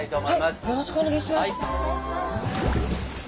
はい。